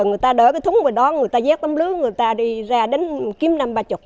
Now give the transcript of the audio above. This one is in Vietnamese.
rồi người ta đỡ cái thúng về đó người ta dắt tấm lưới người ta đi ra đến kiếm năm ba mươi